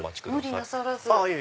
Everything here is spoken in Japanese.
無理なさらず。